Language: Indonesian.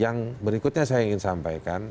yang berikutnya saya ingin sampaikan